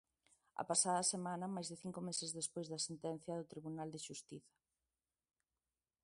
A pasada semana, máis de cinco meses despois da sentenza do Tribunal de Xustiza.